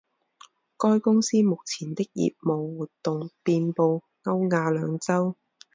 该公司目前的业务活动遍布欧亚两洲。